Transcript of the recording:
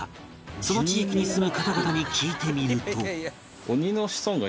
その地域に住む方々に聞いてみると